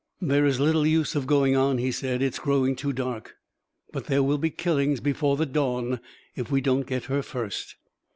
"There is little use of going on," he said. "It is growing too dark. But there will be killings before the dawn if we don't get her first."